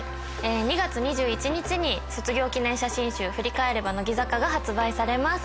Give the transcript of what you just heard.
２月２１日に卒業記念写真集『振り返れば、乃木坂』が発売されます。